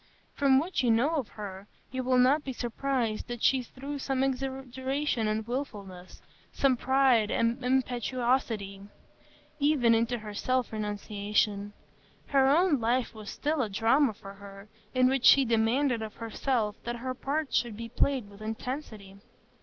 From what you know of her, you will not be surprised that she threw some exaggeration and wilfulness, some pride and impetuosity, even into her self renunciation; her own life was still a drama for her, in which she demanded of herself that her part should be played with intensity.